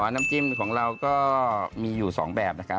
น้ำจิ้มของเราก็มีอยู่๒แบบ